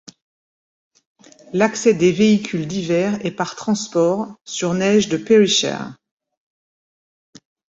L'accès des véhicules d'hiver est par transport sur neige de Perisher.